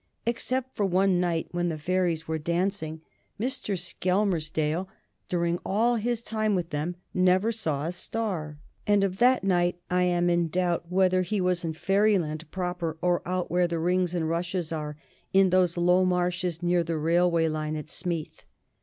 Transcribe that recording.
Except for one night when the fairies were dancing, Mr. Skelmersdale, during all his time with them, never saw a star. And of that night I am in doubt whether he was in Fairyland proper or out where the rings and rushes are, in those low meadows near the railway line at Smeeth.